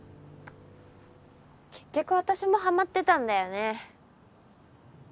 結局私もハマってたんだよね。